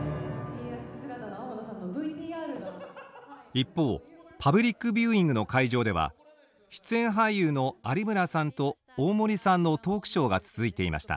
一方パブリックビューイングの会場では出演俳優の有村さんと大森さんのトークショーが続いていました。